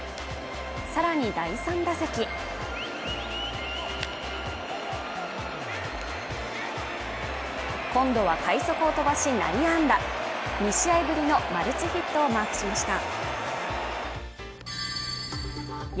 さらに第３打席今度は快足を飛ばし内野安打２試合ぶりのマルチヒットをマークしました